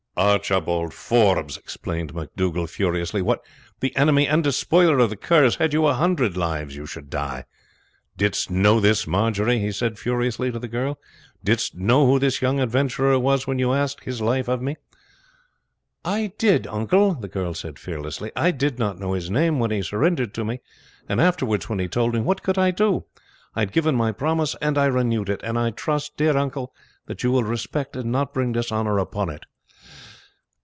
"Archibald Forbes!" exclaimed MacDougall furiously. "What! the enemy and despoiler of the Kerrs! Had you a hundred lives you should die. Didst know this, Marjory?" he said furiously to the girl. "Didst know who this young adventurer was when you asked his life of me?" "I did, uncle," the girl said fearlessly. "I did not know his name when he surrendered to me, and afterwards, when he told me, what could I do? I had given my promise, and I renewed it; and I trust, dear uncle, that you will respect and not bring dishonour upon it."